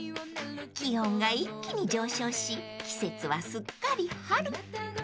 ［気温が一気に上昇し季節はすっかり春］